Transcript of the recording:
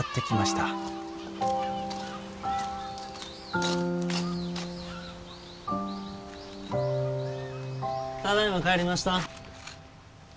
ただいま帰りました。